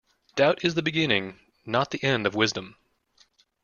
Doubt is the beginning, not the end of wisdom